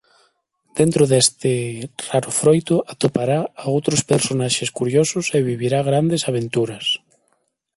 Dentro deste raro froito atopará a outros personaxes curiosos e vivirá grandes aventuras.